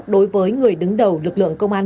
đối với người đứng đầu lực lượng công an